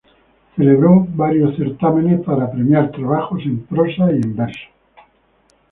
Celebró varios certámenes para premiar trabajos en prosa y verso.